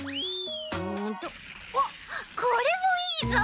うんとおっこれもいいぞ！